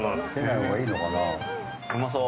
うまそう。